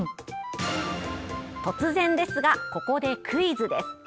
突然ですが、ここでクイズです。